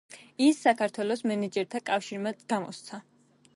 ის საქართველოს მენეჯერთა კავშირმა გამოსცა.